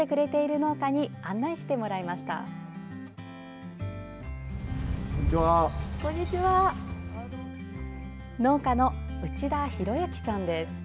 農家の内田宏之さんです。